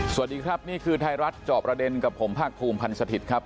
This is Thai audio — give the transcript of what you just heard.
สวัสดีครับนี่คือไทยรัฐจอบประเด็นกับผมภาคภูมิพันธ์สถิตย์ครับ